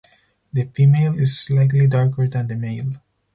The female is slightly darker than the male.